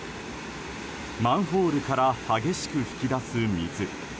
マンホールから激しく噴き出す水。